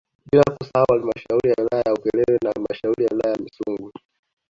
Bila kusahau halmashauri ya wilaya ya Ukerewe na halmashauri ya wilaya ya Misungwi